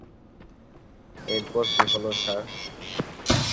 এরপর কী হলো, স্যার?